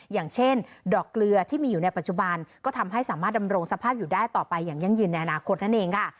อย่างเช่นดอกเกลือที่มีอยู่ในปัจจุบันก็ทำให้สามารถดำรงสภาพอยู่ได้ต่อไปอย่างยั่งยืนในอนาคตนั่นเองค่ะ